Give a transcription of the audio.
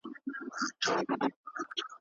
هغه د خپلو اتلانو په ژوند کې د هیلې وړانګه لیده.